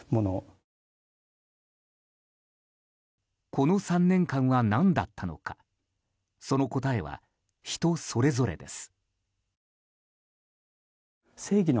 この３年間は何だったのかその答えは人それぞれです。